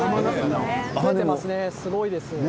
すごいです。